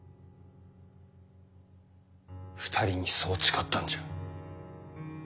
２人にそう誓ったんじゃ。